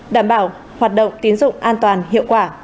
đảm bảo hoạt động tiến dụng an toàn hiệu quả